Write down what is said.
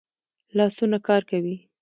لاسونه کار کوي